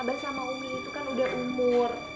abah sama umi itu kan udah umur